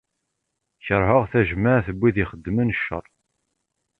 Kerheɣ tajmaɛt n wid ixeddmen ccer.